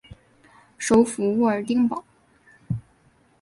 首府沃尔丁堡。